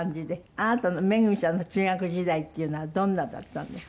あなたのＭＥＧＵＭＩさんの中学時代っていうのはどんなだったんですか？